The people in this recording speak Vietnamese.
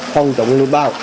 phòng chống lưu bạo